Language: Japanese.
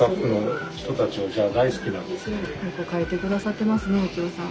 よく描いて下さってますね幸士さん。